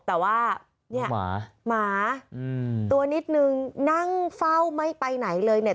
แต่ว่าเนี่ยหมาตัวนิดนึงนั่งเฝ้าไม่ไปไหนเลยเนี่ย